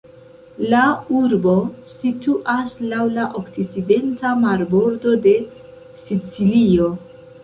La urbo situas laŭ la okcidenta marbordo de Sicilio.